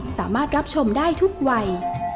สามารถรับชมได้ทุกวัย